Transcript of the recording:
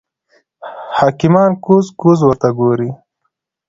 حکیمان کوز کوز ورته ګوري.